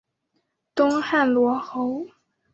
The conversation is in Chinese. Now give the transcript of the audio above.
东汉罗侯。